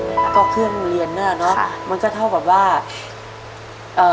แล้วก็เครื่องเรียนเนี้ยเนอะค่ะมันก็เท่ากับว่าเอ่อ